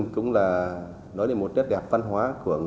cũng là một trách đẹp văn hóa